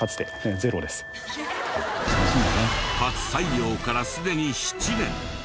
初採用からすでに７年。